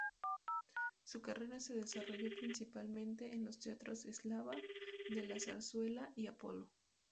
Su carrera la desarrolló principalmente en los teatros Eslava, de la Zarzuela y Apolo.